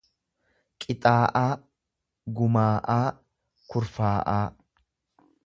qixaa'aa, gumaa'aa, kurfaa'aa.